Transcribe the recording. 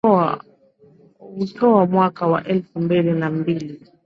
outoa mwaka wa elfu mbili na mbili